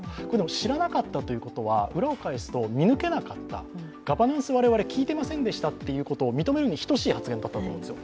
知らなかったということは裏を返すと見抜けなかった、ガバナンス、我々聞いてませんでしたって認めるに等しい発言だと思います。